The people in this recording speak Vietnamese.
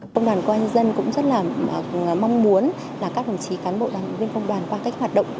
công đoàn công an nhân dân cũng rất là mong muốn là các đồng chí cán bộ đoàn viên công đoàn qua các hoạt động